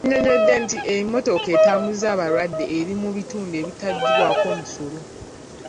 Yannyonnyodde nti emmotoka etambuza abalwadde eri mu bintu ebitaggyibwako misolo.